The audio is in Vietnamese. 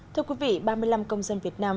thưa quý vị ba mươi năm công dân việt nam